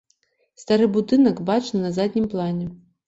Стары будынак бачны на заднім плане.